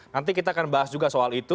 nanti kita akan bahas juga soal itu